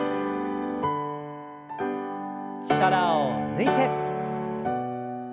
力を抜いて。